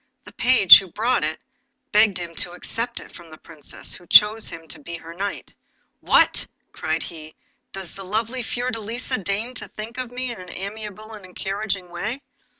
The page who brought it begged him to accept it from the Princess, who chose him to be her knight. 'What!' cried he, 'does the lovely Princess Fiordelisa deign to think of me in this amiable and encouraging way?